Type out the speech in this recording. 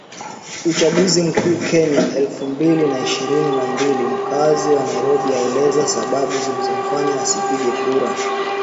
Uchaguzi Mkuu Kenya elfu mbili na ishirini na mbili Mkazi wa Nairobi aeleza sababu zilizomfanya asipige kura